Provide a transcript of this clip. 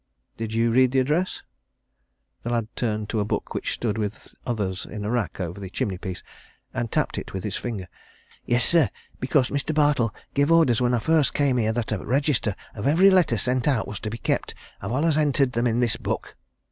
"Did you read the address?" The lad turned to a book which stood with others in a rack over the chimney piece, and tapped it with his finger. "Yes, sir because Mr. Bartle gave orders when I first came here that a register of every letter sent out was to be kept I've always entered them in this book."